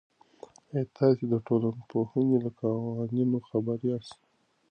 آیا تاسې د ټولنپوهنې له قوانینو خبر یاست؟